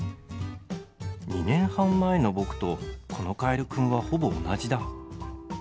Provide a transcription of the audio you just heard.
２年半前の僕とこのカエルくんは、ほぼ同じだ。